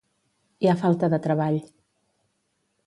Hi ha falta de treball.